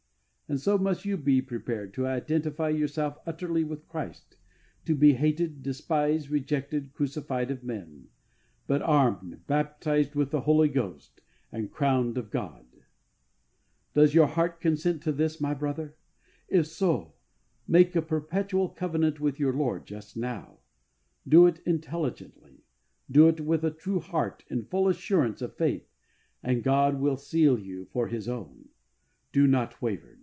And so must you be prepared to identify yourself utterly with Christ, to be hated, despised, rejected, crucified of men ; but armed, baptised with the Holy Ghost, and crowned of God. 68 HEART TALKS ON HOLINESS. Does your heart consent to this, my brother? If so, make a perpetual covenant with your I.ord just now. Do it intelligently. Do it with a true heart, in full assurance of faith, and God will seal you for His own. Do not waver.